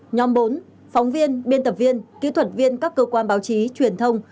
nhóm bốn phóng viên biên tập viên kỹ thuật viên các cơ quan báo chí truyền thông